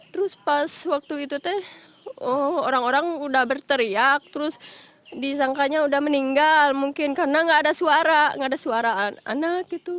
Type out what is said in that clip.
terus pas waktu itu teh orang orang udah berteriak terus disangkanya udah meninggal mungkin karena nggak ada suara nggak ada suara anak gitu